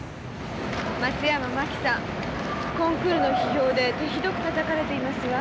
松山真紀さんコンクールの批評で手ひどくたたかれていますわ。